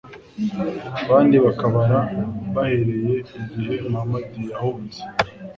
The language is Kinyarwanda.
Abandi bakabara baherereye igihe Muhamadi yahunze